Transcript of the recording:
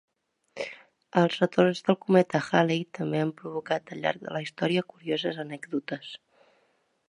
Els retorns del cometa Halley també han provocat al llarg de la història curioses anècdotes.